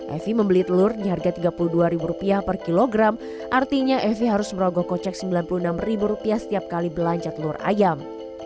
evi membeli telur di harga tiga puluh dua ribu rupiah per kilogram artinya evi harus merogoh kocek sembilan puluh enam ribu rupiah setiap kali belanja telur ayam